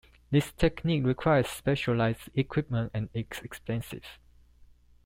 This technique requires specialized equipment and is expensive.